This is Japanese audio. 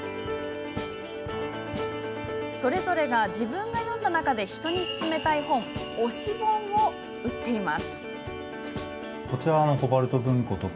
それぞれが、自分が読んだ中で人に薦めたい本推し本を売っています。